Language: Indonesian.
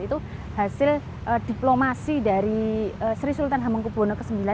itu hasil diplomasi dari sri sultan hamengkubwono ix